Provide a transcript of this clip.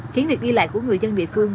khiến việc đi lại của người dân địa phương